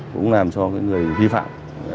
cũng làm cho người vi phạm